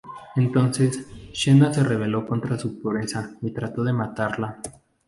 Entonces, Xena se rebeló contra su pureza y trató de matarla.